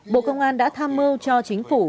bộ công an đã tham mưu cho chính phủ